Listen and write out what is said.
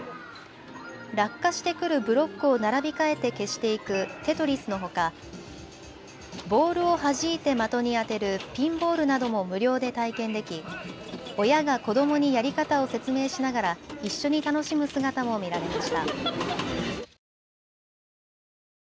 落下してくるブロックを並び替えて消していくテトリスのほか、ボールをはじいて的に当てるピンボールなども無料で体験でき親が子どもにやり方を説明しながら一緒に楽しむ姿も見られました。